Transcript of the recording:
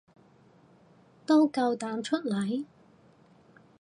都夠膽出嚟